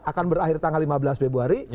akan berakhir tanggal lima belas februari